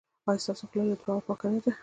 ایا ستاسو خوله له درواغو پاکه نه ده؟